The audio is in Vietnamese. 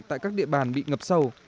tại các địa bàn bị ngập sâu